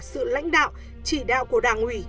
sự lãnh đạo chỉ đạo của đảng ủy